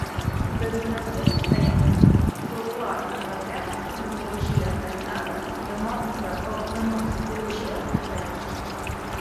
Designacions que empre: folklore a Anglaterra; demologia a Itàlia; demòtica o demopsicologia, etcètera.